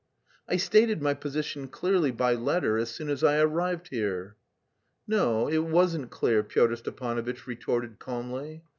"I stated my position clearly by letter as soon as I arrived here." "No, it wasn't clear," Pyotr Stepanovitch retorted calmly.